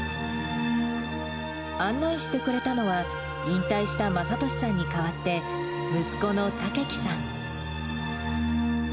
案内してくれたのは、引退した正利さんに代わって、息子の岳樹さん。